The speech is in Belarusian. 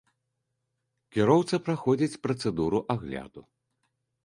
Кіроўца праходзіць працэдуру агляду.